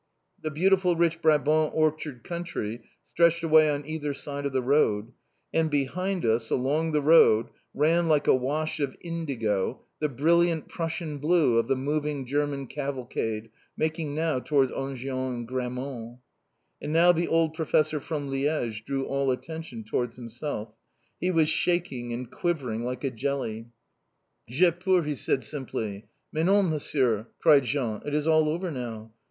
The beautiful rich Brabant orchard country stretched away on either side of the road, and behind us, along the road, ran like a wash of indigo, the brilliant Prussian blue of the moving German cavalcade making now towards Enghien and Grammont. And now the old professor from Liège drew all attention towards himself. He was shaking and quivering like a jelly. "J'ai peur!" he said simply. "Mais non, Monsieur!" cried Jean. "It's all over now."